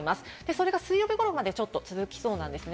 それが水曜日頃まで続きそうなんですね。